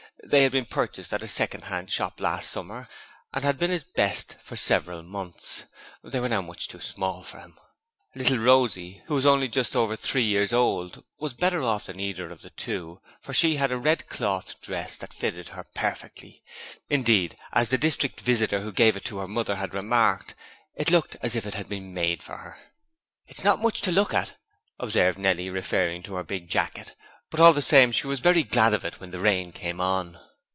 They had been purchased at a second hand shop last summer and had been his 'best' for several months, but they were now much too small for him. Little Rosie who was only just over three years old was better off than either of the other two, for she had a red cloth dress that fitted her perfectly: indeed, as the district visitor who gave it to her mother had remarked, it looked as if it had been made for her. 'It's not much to look at,' observed Nellie, referring to her big jacket, but all the same we was very glad of it when the rain came on.'